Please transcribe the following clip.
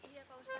iya pak ustadz